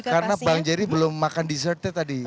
karena bang jerry belum makan dessertnya tadi